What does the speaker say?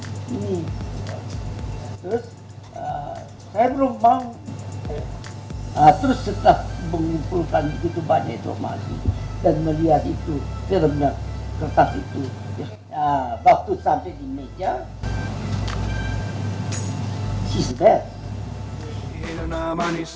terus saya berumang terus setelah mengumpulkan banyak drama dan melihat itu filmnya kertas itu waktu sampai di meja she's there